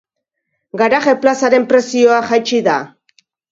Garaje plazaren prezioa jaitsi da.